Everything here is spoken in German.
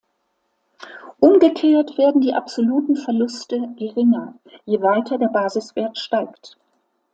Umgekehrt werden die absoluten Verluste geringer, je weiter der Basiswert steigt.